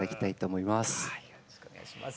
気になるよろしくお願いします。